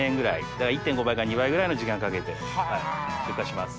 だから１．５倍から２倍ぐらいの時間かけて出荷します。